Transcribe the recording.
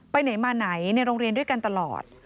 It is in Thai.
ไปไหนมาไหนในโรงเรียนด้วยกันตลอด